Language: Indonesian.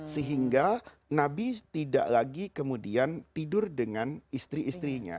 sehingga nabi tidak lagi kemudian tidur dengan istri istrinya